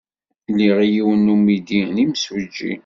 Liɣ yiwen n umidi d imsujji.